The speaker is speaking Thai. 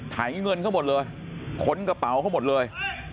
ถ่ายเงินเข้าหมดเลยขนกระเป๋าเข้าหมดเลย